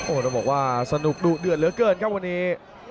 โอ้โหต้องบอกว่าสนุกดุเดือดเหลือเกินครับวันนี้